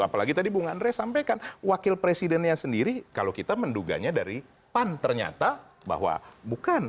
apalagi tadi bung andre sampaikan wakil presidennya sendiri kalau kita menduganya dari pan ternyata bahwa bukan